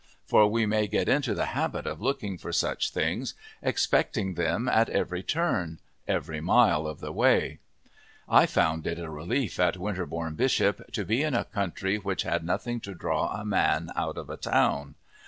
For we may get into the habit of looking for such things, expecting them at every turn, every mile of the way. I found it a relief, at Winterbourne Bishop, to be in a country which had nothing to draw a man out of a town.